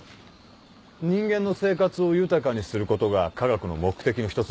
人間の生活を豊かにすることが科学の目的の一つですから。